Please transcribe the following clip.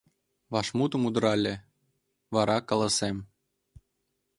Вашмутым удырале: «Вара каласем».